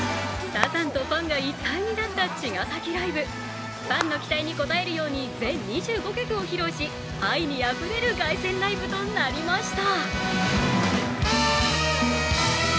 サザンとファンが一体になった茅ヶ崎ライブファンの期待に応えるように全２５曲を披露し、愛にあふれる凱旋ライブとなりました。